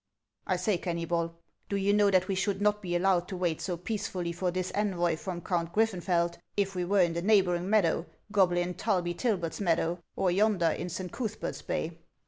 " I say, Kennybol, do you know that we should not be allowed to wait so peacefully for this envoy from Count Griffenfeld, if we were in the neighboring meadow, Goblin Tulbytilbet's meadow, or yonder in St. Cuthbert's bay?"